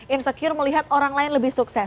insecure melihat orang lain lebih sukses